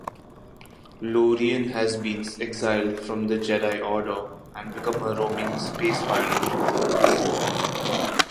Lorian has been exiled from the Jedi Order and become a roaming space-pirate.